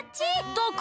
どこ？